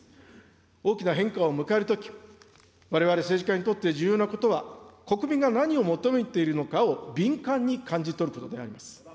大きな変化を迎えるとき、われわれ政治家にとって重要なことは、国民が何を求めているのかを敏感に感じ取ることであります。